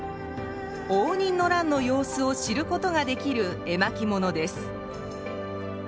応仁の乱の様子を知ることができる絵巻物です。